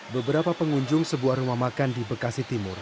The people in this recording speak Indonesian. beberapa pengunjung sebuah rumah makan di bekasi timur